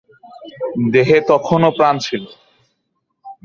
দেহে তখনও প্রাণ ছিল।